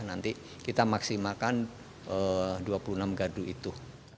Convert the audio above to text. nanti kita maksimalkan dua puluh enam gardu itu